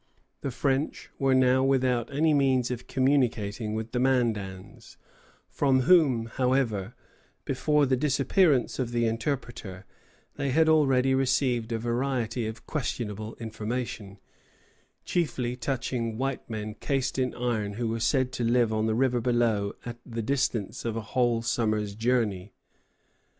The French were now without any means of communicating with the Mandans, from whom, however, before the disappearance of the interpreter, they had already received a variety of questionable information, chiefly touching white men cased in iron who were said to live on the river below at the distance of a whole summer's journey.